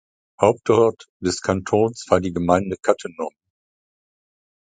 Hauptort des Kantons war die Gemeinde Cattenom.